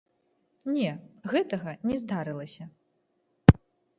Не, гэтага не здарылася.